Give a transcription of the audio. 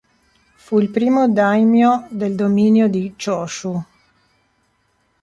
Fu il primo daimyō del dominio di Chōshū.